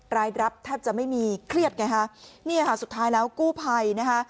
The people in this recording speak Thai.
รายรับแทบจะไม่มีเครียดไงฮะเนี่ยค่ะสุดท้ายแล้วกู้ภัยนะคะ